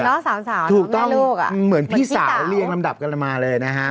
แล้วสามสาวแล้วแม่ลูกถูกต้องเหมือนพี่สาวเรียนลำดับกันมาเลยนะครับ